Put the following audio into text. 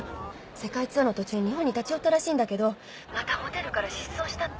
世界ツアーの途中日本に立ち寄ったらしいんだけどまたホテルから失踪したって。